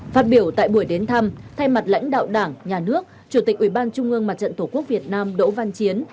phát biểu tại buổi đến thăm thay mặt lãnh đạo đảng nhà nước chủ tịch ủy ban trung ương mặt trận tổ quốc việt nam đỗ văn chiến